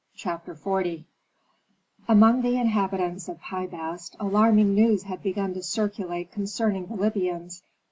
CHAPTER XL Among the inhabitants of Pi Bast alarming news had begun to circulate concerning the Libyans.